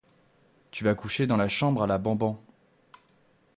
Tu vas coucher dans la chambre à la Banban!